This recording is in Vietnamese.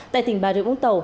tại tỉnh bà rượu vũng tàu